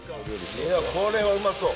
これはうまそう！